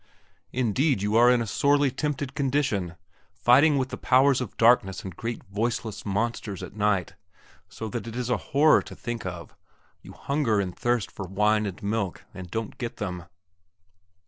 Indeed, you are in a sorely tempted condition, fighting with the powers of darkness and great voiceless monsters at night, so that it is a horror to think of; you hunger and thirst for wine and milk, and don't get them.